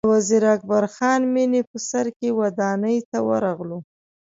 د وزیر اکبر خان مېنې په سر کې ودانۍ ته ورغلو.